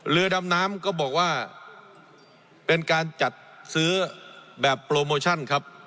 เรือดำน้ำก็บอกว่าเป็นการจัดซื้อแบบโปรโมชั่นครับ